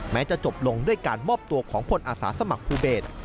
จะจบลงด้วยการมอบตัวของพลอาสาสมัครภูเบศ